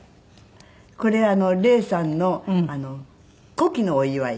これ礼さんの古希のお祝い。